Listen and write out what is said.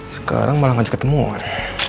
sekarang malah ngajak ketemuan